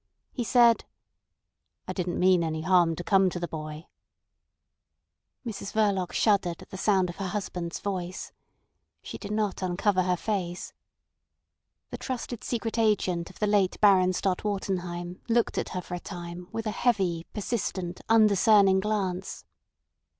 He said: "I didn't mean any harm to come to the boy." Mrs Verloc shuddered at the sound of her husband's voice. She did not uncover her face. The trusted secret agent of the late Baron Stott Wartenheim looked at her for a time with a heavy, persistent, undiscerning glance.